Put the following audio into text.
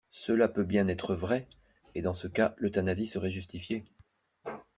Cela peut bien être vrai, et dans ce cas l'euthanasie serait justifiée.